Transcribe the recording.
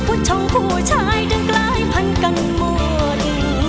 ผู้ชอบผู้ชายทั้งกลายพันกันหมวด